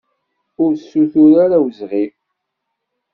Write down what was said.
Ur ssutur ara awezɣi!